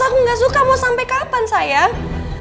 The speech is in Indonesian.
aku gak suka mau sampai kapan saya